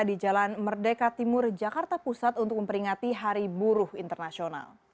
di jalan merdeka timur jakarta pusat untuk memperingati hari buruh internasional